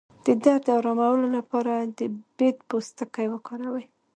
د درد د ارامولو لپاره د بید پوستکی وکاروئ